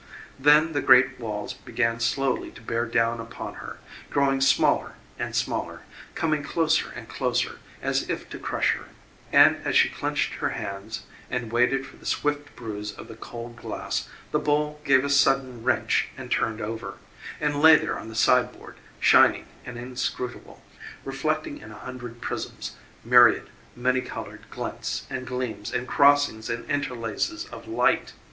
Then the great walls began slowly to bear down upon her, growing smaller and smaller, coming closer and closer as if to crush her; and as she clinched her hands and waited for the swift bruise of the cold glass, the bowl gave a sudden wrench and turned over and lay there on the side board, shining and inscrutable, reflecting in a hundred prisms, myriad, many colored glints and gleams and crossings and interlaces of light.